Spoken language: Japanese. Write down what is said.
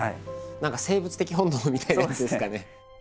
何か生物的本能みたいなやつですかね。